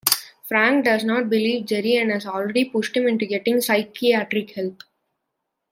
Frank does not believe Jerry and has already pushed him into getting psychiatric help.